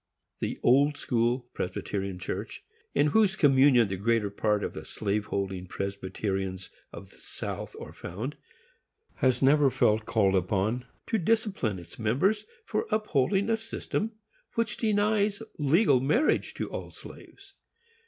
The Old School Presbyterian Church, in whose communion the greater part of the slave holding Presbyterians of the South are found, has never felt called upon to discipline its members for upholding a system which denies legal marriage to all slaves.